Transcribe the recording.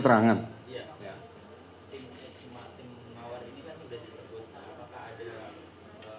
tim mawar ini kan sudah disebut apakah ada